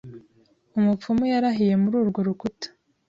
Umupfumu yarahiye muri urwo rukuta